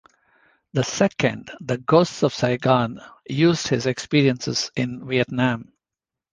The second, "The Ghosts of Saigon", used his experiences in Vietnam.